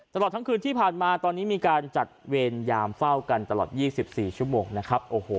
ตลอดทั้งคืนที่ผ่านมาตอนนี้มีการจัดเวรยามเฝ้ากันตลอด๒๔ชั่วโมงนะครับ